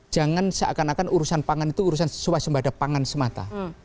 jangan seakan akan urusan pangan itu urusan suasembada pangan semata